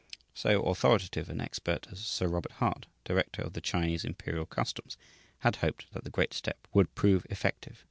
So authoritative an expert as Sir Robert Hart, director of the Chinese imperial customs, had hoped that the great step would prove effective.